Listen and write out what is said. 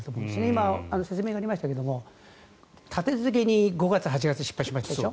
今、説明にありましたが立て続けに５月、６月失敗しましたでしょ。